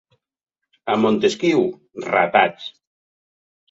A Montesquiu: ratats.